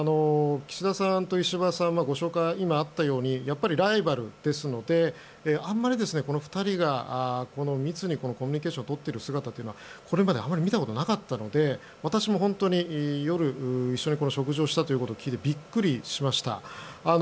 岸田さんと石破さんはご紹介があったようにやっぱりライバルですのであまりこの２人が密にコミュニケーションを取っている姿というのはあまり見たことがなかったので私も本当に一緒に食事をしたと聞いてビックリしました。